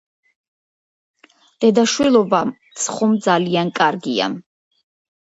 დედაშვილობაც ხომ ძალიან კარგია.